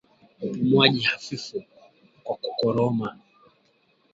Upumuaji hafifu kwa kukoroma